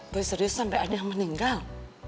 boy serius sampe ada yang meninggal